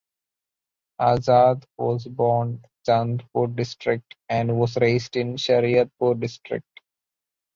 Azad was born Chandpur District and was raised in Shariatpur District.